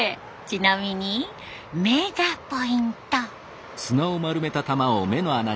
ちなみに目がポイント。